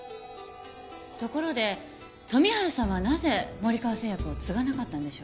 ところで富治さんはなぜ森川製薬を継がなかったんでしょう？